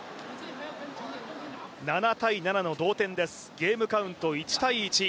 ７−７の同点です、ゲームカウント１−１。